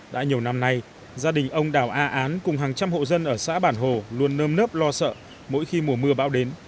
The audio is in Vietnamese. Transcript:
đã nhiều năm nay gia đình ông đào a án cùng hàng trăm hộ dân ở xã bản hồ luôn nơm nớp lo sợ mỗi khi mùa mưa bão đến